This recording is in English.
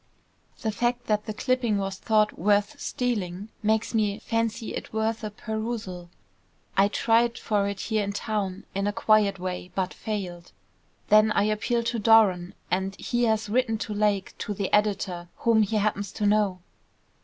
"The fact that the clipping was thought worth stealing, makes me fancy it worth a perusal. I tried for it here in town, in a quiet way, but failed. Then I appealed to Doran, and he has written to Lake, to the editor, whom he happens to know."